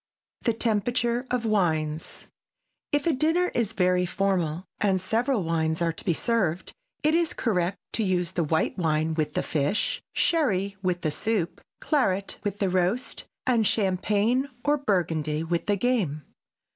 [Sidenote: THE TEMPERATURE OF WINES] If a dinner is very formal and several wines are to be served, it is correct to use white wine with the fish, sherry with the soup, claret with the roast and champagne or Burgundy with the game.